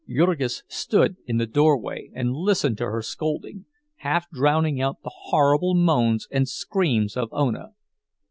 Jurgis stood in the doorway and listened to her scolding, half drowning out the horrible moans and screams of Ona.